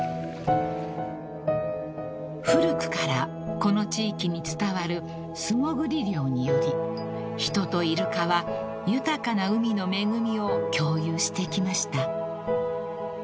［古くからこの地域に伝わる素潜り漁により人とイルカは豊かな海の恵みを共有してきました］